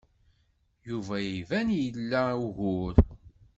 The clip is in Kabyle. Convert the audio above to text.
Yuba iban ila ugur.